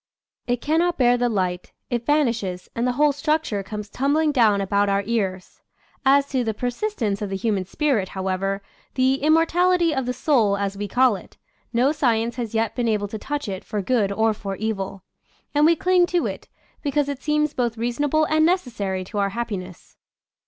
It cannot bear the light — it vanishes, and the whole structure comes tumbling down about our ears. As to the persistence of the human spirit, however —" the immortality of the soul," as we call it — no science has yet been able to touch it for good or for evil; and we cling to it, because it seems both reasonable and necessary to our happiness.